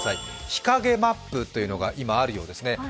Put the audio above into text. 日陰マップというのが今あるそうですね。